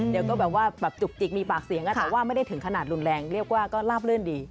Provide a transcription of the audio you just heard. เดี๋ยวก็แบบว่าแบบจุกจิกมีปากเสียงกันแต่ว่าไม่ได้ถึงขนาดรุนแรงเรียกว่าก็ลาบลื่นดี